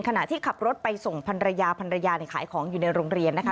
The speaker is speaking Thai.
ขณะที่ขับรถไปส่งพันรยาพันรยาขายของอยู่ในโรงเรียนนะคะ